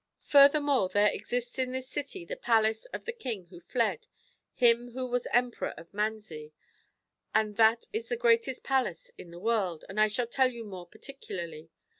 '^ Furthermore there exists in this city the palace of the king who fled, him who was Emperor of Manzi, and that is the greatest palace in the world, as I shall tell you more particularly.